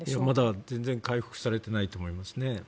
まだ全然回復されていないと思います。